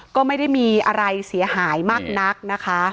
ก็ไม่ได้มีอะไรเสียหายมากนักนะคะ